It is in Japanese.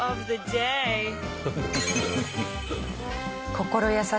心優しき